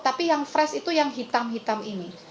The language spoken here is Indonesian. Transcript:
tapi yang fresh itu yang hitam hitam ini